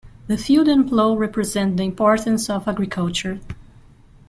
The field and plow represent the importance of agriculture.